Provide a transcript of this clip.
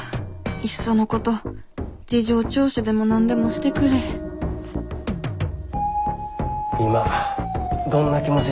いっそのこと事情聴取でも何でもしてくれ今どんな気持ちですか？